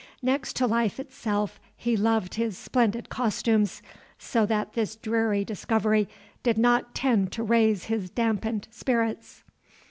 Next to life itself, he loved his splendid costumes, so that this dreary discovery did not tend to raise his dampened spirits.